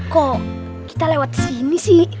kok kita lewat sini sih